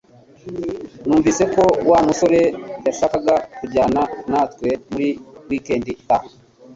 Numvise ko Wa musore yashakaga kujyana natwe muri wikendi itaha